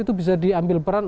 itu bisa diambil peran